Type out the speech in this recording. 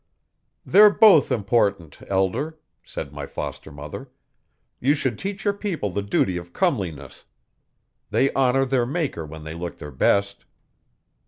'They're both important, Elder,' said my foster mother. You should teach your people the duty of comeliness. They honour their Maker when they look their best.'